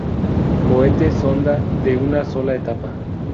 Cohete sonda de una sola etapa.